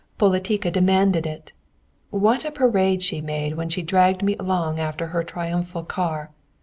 Politica demanded it. What a parade she made when she dragged me along after her triumphal car!